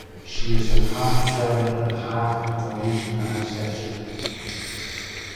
She is of half German and half Norwegian ancestry.